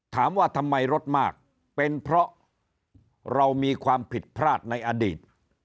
ถามว่าทำไมรถมากเป็นเพราะเรามีความผิดพลาดในอดีต